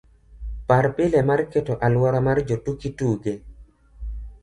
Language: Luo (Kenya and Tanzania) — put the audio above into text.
par pile mar keto aluora mar jotuki tuge